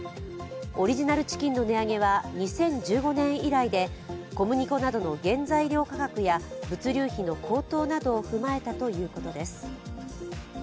オリジナルチキンの値上げは２０１５年以来で小麦粉などの原材料価格や物流費の高騰などを踏まえたということです。